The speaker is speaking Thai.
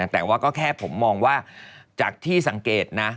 แต่ว่าก็แค่ผมมองว่าจากที่สังเกตนะ